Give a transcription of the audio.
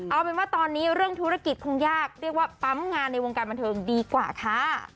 เอาเป็นว่าตอนนี้เรื่องธุรกิจคงยากเรียกว่าปั๊มงานในวงการบันเทิงดีกว่าค่ะ